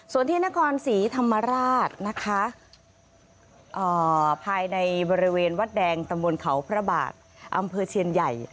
ส่วนที่นครศรีธรรมราชนะคะภายในบริเวณวัดแดงตำบลเขาพระบาทอำเภอเชียนใหญ่